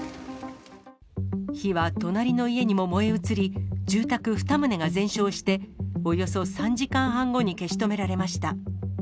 火は隣の家にも燃え移り、住宅２棟が全焼して、およそ３時間半後に消し止められました。